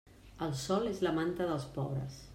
El sol és la manta dels pobres.